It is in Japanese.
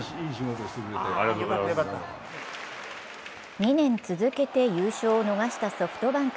２年続けて優勝を逃したソフトバンク。